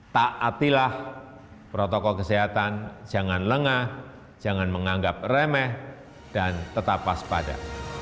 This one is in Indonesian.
tak atilah protokol kesehatan jangan lengah jangan menganggap remeh dan tetap pas pada